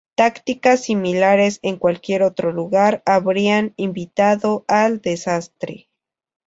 Tácticas similares en cualquier otro lugar habrían "invitado al desastre".